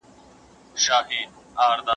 نهار مه وځه او لږ ډوډۍ وخوره.